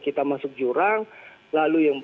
kita masuk jurang lalu yang